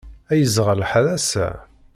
Ay yeẓɣel lḥal ass-a!